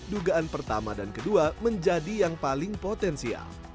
dugaan pertama dan kedua menjadi yang paling potensial